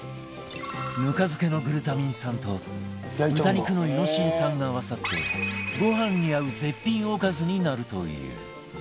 ぬか漬けのグルタミン酸と豚肉のイノシン酸が合わさってご飯に合う絶品おかずになるという